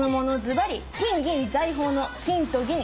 ズバリ「金銀財宝」の金と銀。